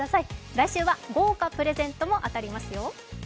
来週は豪華プレゼントも当たりますよ。